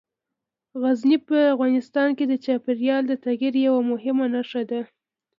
غزني په افغانستان کې د چاپېریال د تغیر یوه مهمه نښه ده.